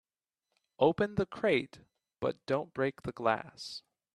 Open the crate but don't break the glass.